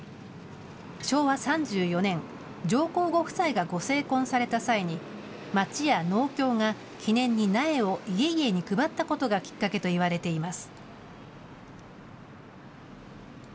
昭和３４年、上皇ご夫妻がご成婚された際に、町や農協が記念に苗を家々に配ったことがきっかけといわれています。